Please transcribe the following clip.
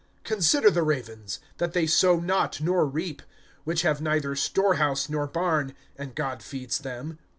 (24)Consider the ravens, that they sow not nor reap; which have neither storehouse nor barn; and God feeds them.